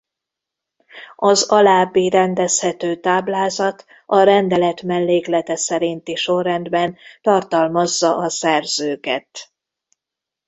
Az alábbi rendezhető táblázat a rendelet melléklete szerinti sorrendben tartalmazza a szerzőket.